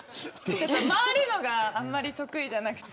回るのがあんまり得意じゃなくて。